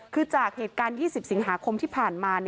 คือจากเหตุการณ์๒๐สิงหาคมที่ผ่านมา